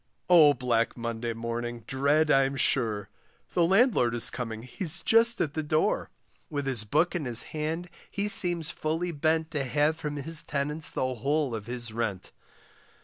Oh, black Monday morning dread I'm sure, The landlord is coming, he's just at the door; With his book in his hand he seems fully bent To have from his tenants the whole of his rent.